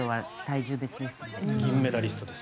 銀メダリストです。